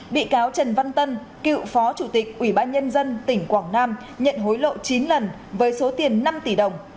bị cáo trần văn tân cựu phó chủ tịch ubnd tp quảng nam nhận hối lộ chín lần với số tiền năm tỷ đồng